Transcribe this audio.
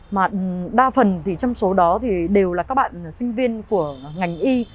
mà đa phần thì trong số đó thì đều là các bạn sinh viên của ngành y